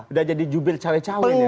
sudah jadi jubil cewek cewek